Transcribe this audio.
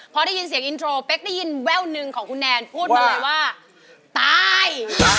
พอได้ยินเสียงอินโทรเป๊กได้ยินแว่วหนึ่งของคุณแนนพูดมาเลยว่าตาย